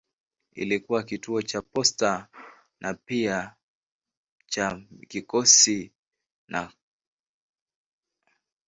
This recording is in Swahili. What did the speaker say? Ilikuwa kituo cha posta na pia cha kikosi na.